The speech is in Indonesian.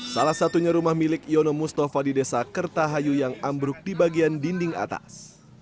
salah satunya rumah milik yono mustafa di desa kertahayu yang ambruk di bagian dinding atas